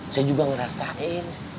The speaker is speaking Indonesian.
saya juga ngerasain